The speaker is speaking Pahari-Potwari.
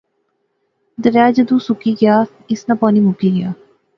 دریا جدوں سکی گیا، اس ناں پانی مکی گیا